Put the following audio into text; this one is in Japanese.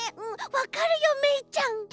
うんわかるよめいちゃん。